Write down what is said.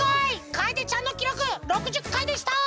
かえでちゃんのきろく６０かいでした！